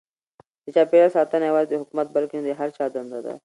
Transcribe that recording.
د چاپیریال ساتنه یوازې د حکومت نه بلکې د هر چا دنده ده.